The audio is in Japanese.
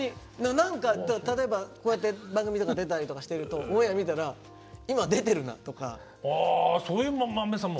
何か例えばこうやって番組とか出たりとかしてるとオンエア見たら「今出てるな」とか。ああそういうマメさも。